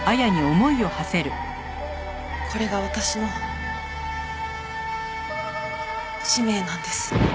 これが私の使命なんです。